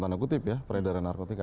dan tanah kutip ya peredaran narkotika